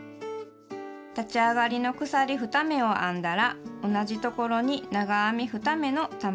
立ち上がりの鎖２目を編んだら同じところに長編み２目の玉編みを編みます。